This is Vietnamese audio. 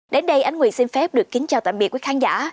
đến đây anh nguyệt xin phép được kính chào tạm biệt quý khán giả